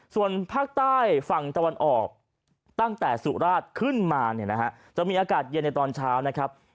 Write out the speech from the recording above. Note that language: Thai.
ส่วนภาคใต้ฝั่งตะวันออกตั้งแต่สุราชขึ้นมาเนี่ยนะฮะจะมีอากาศเย็นในตอนเช้านะครับ